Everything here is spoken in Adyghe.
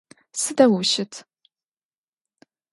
Сыдэу ущыт?